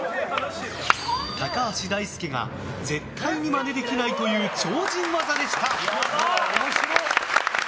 高橋大輔が絶対にまねできないという超人技でした。